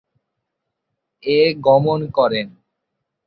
এ গমন করেন।